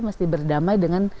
mesti berdamai dengan